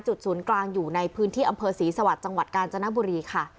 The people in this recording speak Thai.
ศูนย์กลางอยู่ในพื้นที่อำเภอศรีสวรรค์จังหวัดกาญจนบุรีค่ะ